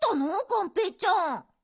がんぺーちゃん。